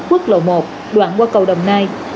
quốc lộ một đoạn qua cầu đồng nai